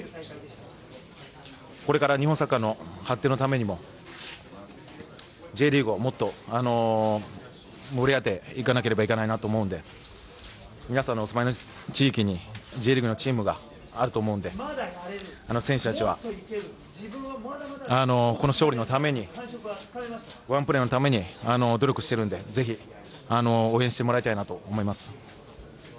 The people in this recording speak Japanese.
これから日本サッカーの発展のためにもＪリーグをもっと盛り上げていかなければいけないなと思うので皆さんのお住まいの地域にＪリーグのチームがあると思うので選手たちは勝利のためにワンプレーのために努力しているのでぜひ応援してもらいたいと思います。